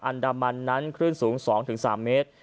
อันดามันนั้นคลื่นสูง๒๓เมตร